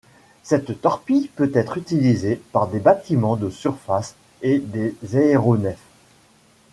Cette torpille peut être utilisée par des bâtiments de surface et des aéronefs.